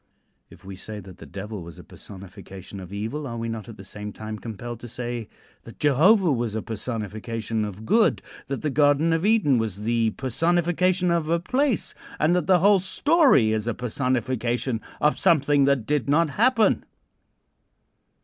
If we say that the Devil was a personification of evil, are we not at the same time compelled to say that Jehovah was a personification of good; that the Garden of Eden was the personification of a place, and that the whole story is a personification of something that did not happen?